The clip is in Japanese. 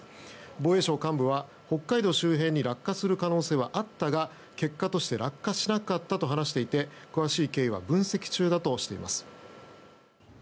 防衛省幹部は、北海道周辺に落下する可能性はあったが結果として落下しなかったと話していて詳しい経緯は分析中だとしています。